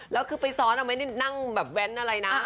แล้วคือไปซ้อนไม่ได้นั่งแบบแว้นอะไรนะ